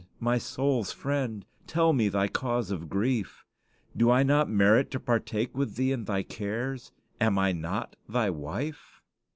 my soul's friend! tell me thy cause of grief. Do I not merit to partake with thee in thy cares? Am I not thy wife?"